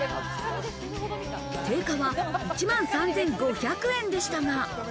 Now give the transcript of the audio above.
定価は１万３５００円でしたが。